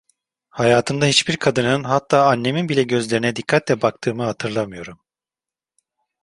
Hayatımda hiçbir kadının, hatta annemin bile gözlerine dikkatle baktığımı hatırlamıyorum.